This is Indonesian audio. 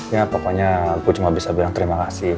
ya pokoknya aku cuma bisa bilang terima kasih